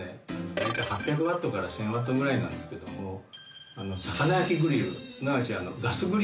だいたい８００Ｗから１，０００Ｗぐらいなんですけども魚焼きグリルすなわちガスグリルですね。